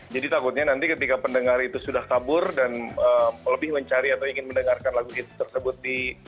jadi takutnya nanti ketika pendengar itu sudah kabur dan lebih mencari atau ingin mendengarkan lagu hit tersebut di